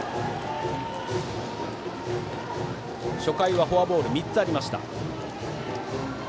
初回はフォアボールが３つありました。